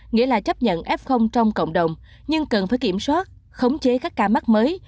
nghĩa là chấp nhận f trong cộng đồng nhưng cần phải kiểm soát khống chế các ca mắc mới